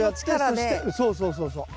そうそうそうそう。